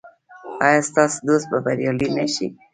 ایا ستاسو دوست به بریالی نه شي؟